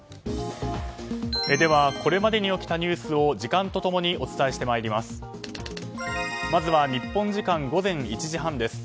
これまでに起きたニュースを時間と共にお伝えしてまいります。